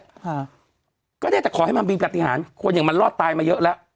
ค่ะก็ได้แต่ขอให้มันมีปฏิหารคนอย่างมันรอดตายมาเยอะแล้ว